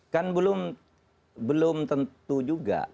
kan belum tentu juga